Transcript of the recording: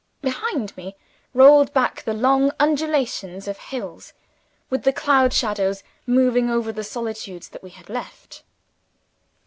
Behind me, rolled back the long undulations of the hills, with the cloud shadows moving over the solitudes that we had left.